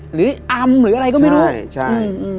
หรืออำหรืออะไรก็ไม่รู้ใช่ใช่